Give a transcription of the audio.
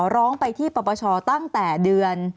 ร้องไปที่ปปชตั้งแต่เดือน